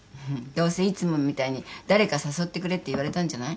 どうせいつもみたいに誰か誘ってくれって言われたんじゃない？